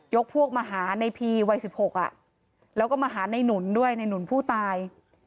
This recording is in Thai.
พวกมาหาในพีวัย๑๖แล้วก็มาหาในหนุนด้วยในหนุนผู้ตาย